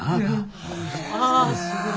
ああすごい。